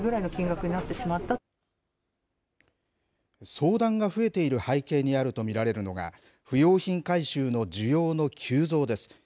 相談が増えている背景にあると見られるのが不用品回収の需要の急増です。